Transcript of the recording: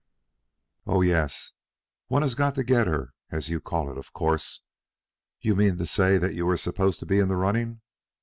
"Oh yes; one has got to get her, as you call it, of course. You mean to say that you are supposed to be in the running.